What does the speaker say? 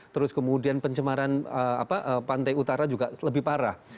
terus kemudian pencemaran pantai utara juga lebih parah